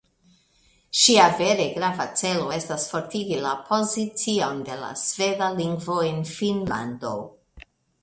Ŝia vere grava celo estas fortigi la pozicion de la sveda lingvo en Finnlando.